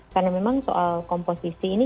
karena memang soal komposisi ini